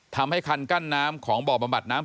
ทำให้คันกั้นน้ำของบ่อบำบัดน้ำ